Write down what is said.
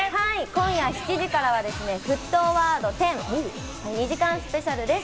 今夜７時からは『沸騰ワード１０』２時間スペシャルです。